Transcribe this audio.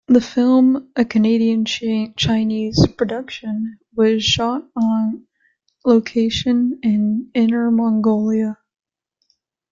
The film, a Canadian-Chinese production, was shot on location in Inner Mongolia.